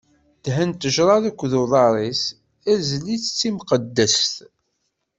Dhen tnejṛa akked uḍar-is, ɛzel-itt d timqeddest.